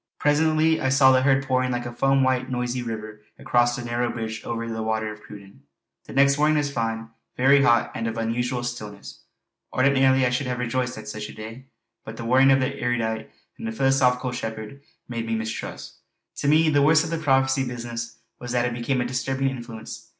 Presently I saw the herd pouring like a foam white noisy river across the narrow bridge over the Water of Cruden. The next morning was fine, very hot, and of an unusual stillness. Ordinarily I should have rejoiced at such a day; but the warning of the erudite and philosophical shepherd made me mistrust. To me the worst of the prophecy business was that it became a disturbing influence.